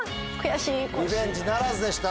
リベンジならずでした。